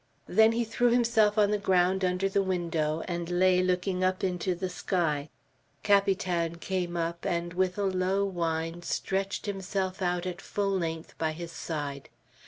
Then he threw himself on the ground under the window, and lay looking up into the sky. Capitan came up, and with a low whine stretched himself out at full length by his side.